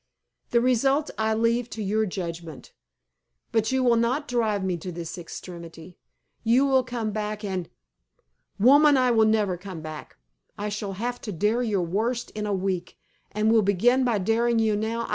The result I leave to your judgment. But you will not drive me to this extremity. You will come back and " "Woman, I will never come back. I shall have to dare your worst in a week and will begin by daring you now.